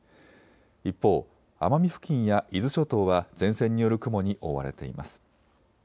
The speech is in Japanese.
一方、奄美付近や伊豆諸島は前線による雲に覆われています。